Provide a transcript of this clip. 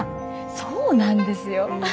そうなんですよ。